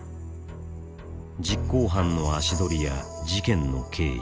実行犯の足取りや事件の経緯